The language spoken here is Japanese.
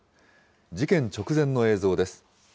事件直前の映像です。